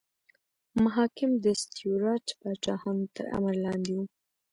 محاکم د سټیورات پاچاهانو تر امر لاندې وو.